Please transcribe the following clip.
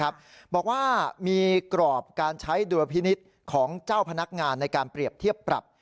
บอกว่ามีกรอบการใช้ดุลพินิษฐ์ของเจ้าพนักงานในการเปรียบเทียบปรับ